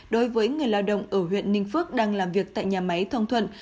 đối với người lao động ở huyện ninh phước đang làm việc tại nhà máy thông thuận